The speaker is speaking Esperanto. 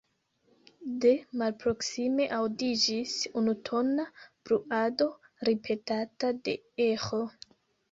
De malproksime aŭdiĝis unutona bruado, ripetata de eĥo.